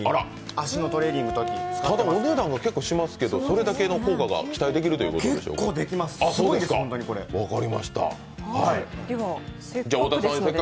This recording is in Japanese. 足のトレーニングの時に使っていお値段、結構しますけどそれだけの効果が期待できるということなんですか。